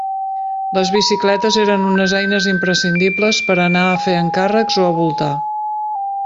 Les bicicletes eren unes eines imprescindibles per a anar a fer encàrrecs o a voltar.